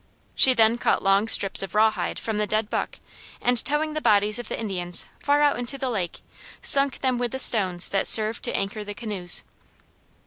She then cut long strips of raw hide from the dead buck, and towing the bodies of the Indians far out into the lake sunk them with the stones that served to anchor the canoes.